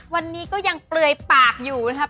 วันนี้ก็ยังเปลือยปากอยู่นะครับ